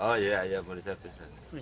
oh iya mau diservis